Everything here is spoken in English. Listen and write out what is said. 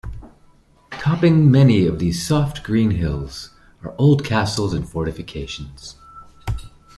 Topping many of these soft, green hills are old castles and fortifications.